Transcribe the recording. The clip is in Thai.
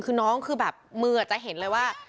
คือน้องคือแบบมือจะเห็นเลยว่า